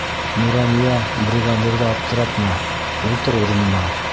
Нурания, бригадирҙы аптыратма, ултыр урыныңа!